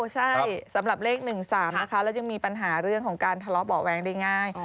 ใช่สำหรับเลข๑๓นะคะแล้วยังมีปัญหาเรื่องของการทะเลาะเบาะแว้งได้ง่าย